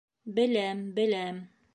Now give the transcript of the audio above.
Беләм, беләм.